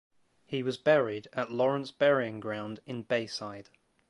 He was buried at Lawrence Burying Ground in Bayside.